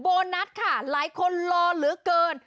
โบนัสค่ะหลายคนรอเหลือเกิน